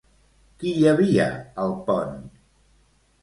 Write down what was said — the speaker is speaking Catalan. Qui hi havia al pont?